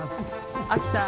秋田。